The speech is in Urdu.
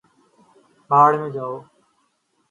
بھاڑ میں جاؤ